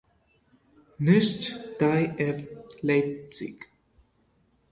Nitzsch died at Leipzig.